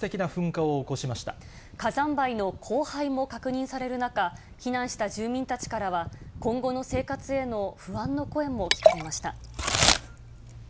火山灰の降灰も確認される中、避難した住民たちからは、今後の生活への不安の声も聞かれました。